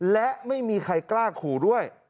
และไม่มีใครกล้าขู่ด้วย